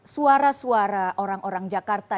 suara suara orang orang jakarta